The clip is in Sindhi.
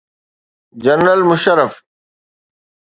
جنرل مشرف.